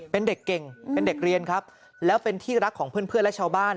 เป็นเด็กเก่งเป็นเด็กเรียนครับแล้วเป็นที่รักของเพื่อนและชาวบ้าน